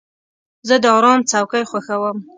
زه د آرام څوکۍ خوښوم.